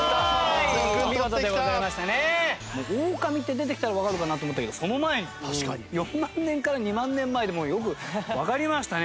オオカミって出てきたらわかるかなと思ったけどその前に４万年から２万年前でよくわかりましたね。